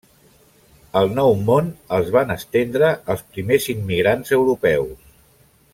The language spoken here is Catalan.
Al Nou Món els van estendre els primers immigrants europeus.